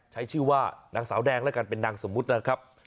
ใช้ชื่อว่านางสาวแดงแล้วกันเป็นนางสมมุตินะครับ